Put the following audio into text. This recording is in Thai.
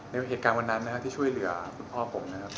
ในเหตุการณ์วันนั้นนะครับที่ช่วยเหลือคุณพ่อผมนะครับ